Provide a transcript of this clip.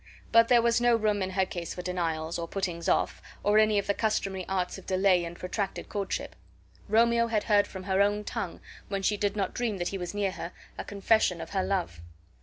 But there was no room in her case for denials, or puttings off, or any of the customary arts of delay and protracted courtship. Romeo had heard from her own tongue, when she did not dream that he was near her, a confession of her love.